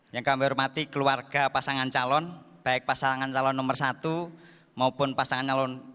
yang kami hormati keluarga pasangan calon baik pasangan calon nomor satu maupun pasangan calon